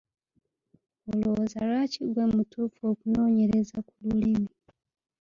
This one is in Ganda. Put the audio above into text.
Olowooza lwaki ggwe mutuufu okunoonyereza ku lulimi?